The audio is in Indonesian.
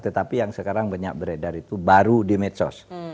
tetapi yang sekarang banyak beredar itu baru di medsos